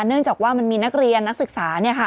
เนื่องจากว่ามันมีนักเรียนนักศึกษา